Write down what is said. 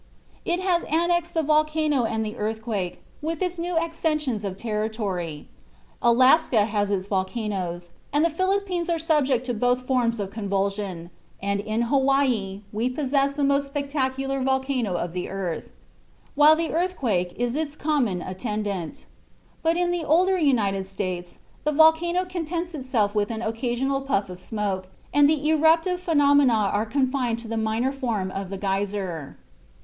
It has annexed the volcano and the earthquake with its new accessions of territory. Alaska has its volcanoes, the Philippines are subject to both forms of convulsion, and in Hawaii we possess the most spectacular volcano of the earth, while the earthquake is its common attendant. But in the older United States the volcano contents itself with an occasional puff of smoke, and eruptive phenomena are confined to the minor form of the geyser.